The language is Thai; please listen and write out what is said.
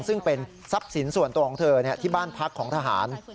ซึ่งเป็นทรัพย์สินส่วนตัวของเธอที่บ้านพักของทหาร